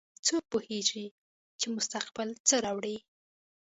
څوک پوهیږي چې مستقبل څه راوړي